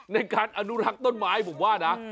ในการอนุรักษ์ต้นไม้ผมว่านะ